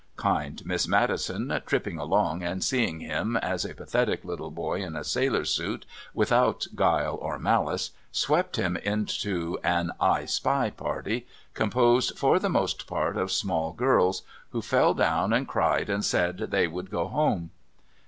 Kind Miss Maddison, tripping along and seeing him as a pathetic little boy in a sailor suit without guile or malice, swept him into an "I spy" party composed for the most part of small girls who fell down and cried and said they would go home.